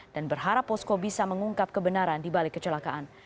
dan berharap posko bisa mengungkap kebenaran dibalik kecelakaan